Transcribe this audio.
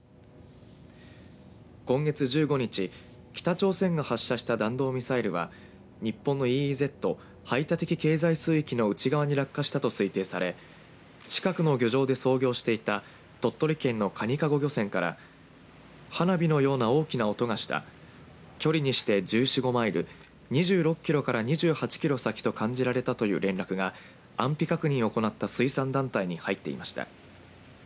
今月１５日北朝鮮が発射した弾道ミサイルは日本のＥＥＺ、排他的経済水域の内側に落下したと推定され近くの漁場で操業していた鳥取県のかにかご漁船から花火のような大きな音がした距離にして１４１５マイル２６キロから２８キロ先と感じられたという連絡が安否確認を行った水産団体に入っていました。